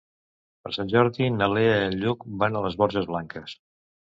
Per Sant Jordi na Lea i en Lluc van a les Borges Blanques.